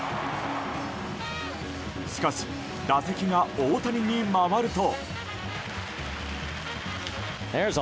しかし、打席が大谷に回ると。